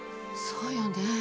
そうよね。